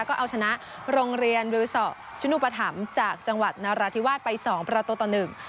ก็เอาชนะโรงเรียนรือสอชนุปธรรมจากจังหวัดนราธิวาสไปสองประตูต่อหนึ่ง